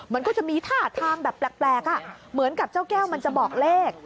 มันก็จะมีท่าทางแบบแปลกเหมือนกับเจ้าแก้วมันจะบอกเลข